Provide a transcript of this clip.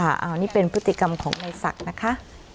อันนี้เป็นพฤติกรรมของในศักดิ์นะคะ